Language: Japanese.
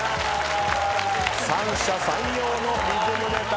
三者三様のリズムネタ。